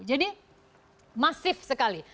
jadi masif sekali